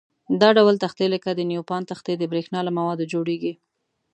دا ډول تختې لکه د نیوپان تختې د برېښنا له موادو جوړيږي.